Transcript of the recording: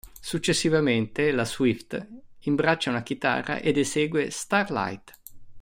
Successivamente, la Swift imbraccia una chitarra ed esegue "Starlight".